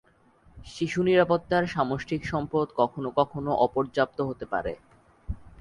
শিশু নিরাপত্তার সামষ্টিক সম্পদ কখনো কখনো অপর্যাপ্ত হতে পারে।